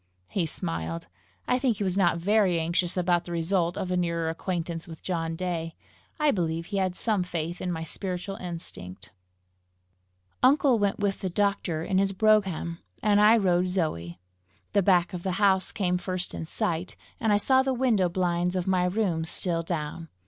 He smiled. I think he was not very anxious about the result of a nearer acquaintance with John Day. I believe he had some faith in my spiritual instinct. Uncle went with the doctor in his brougham, and I rode Zoe. The back of the house came first in sight, and I saw the window blinds of my room still down.